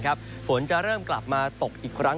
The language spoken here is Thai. ต่อเสียง